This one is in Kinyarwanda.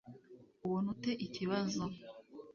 ubona ute ikibazo